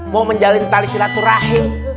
mau menjalin tali silaturahim